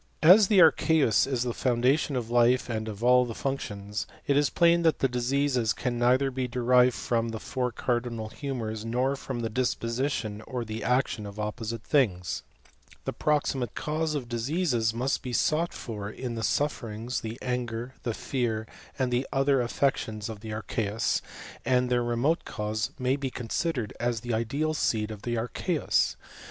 As the archeus is the foundation of life d of all the functions, it is plain that the diseases n^ neither be derived from the four cardinal imours, nor from the disposition or the action of »p6&ite things ; the proximate cause of diseases must i"«aught for in the sufferings, the anger, the fear, d,the other affections of the archeus, and their mote, cause may be considered as the ideal seed .Ihe • archeus.